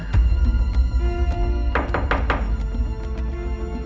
tuk tuk tuk